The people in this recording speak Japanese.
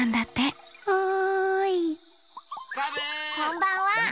こんばんは。